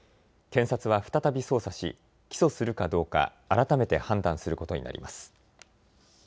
検察は再び捜査し起訴するかどうか改めて判断することになります。